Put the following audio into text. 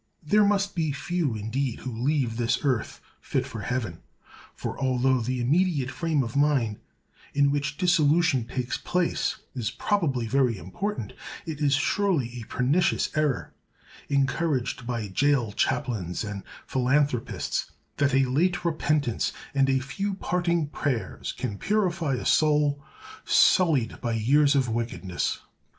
There must be few, indeed, who leave this earth fit for heaven; for, although the immediate frame of mind in which dissolution takes place is probably very important, it is surely a pernicious error, encouraged by jail chaplains and philanthropists, that a late repentance and a few parting prayers can purify a soul sullied by years of wickedness.